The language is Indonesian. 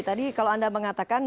tadi kalau anda mengatakan